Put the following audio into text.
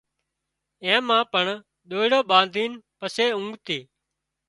اين مان پڻ ۮئيڙو ٻانڌين پسي اونگتي